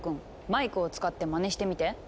マイクを使ってまねしてみて。